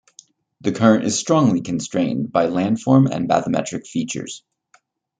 The current is strongly constrained by landform and bathymetric features.